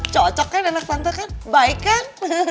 cocok kan enak tante kan baik kan